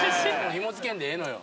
ひも付けんでええのよ。